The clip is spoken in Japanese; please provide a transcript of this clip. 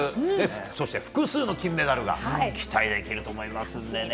そして複数の金メダルが期待できると思いますので。